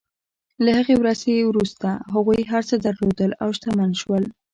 له هغې ورځې وروسته هغوی هر څه درلودل او شتمن شول.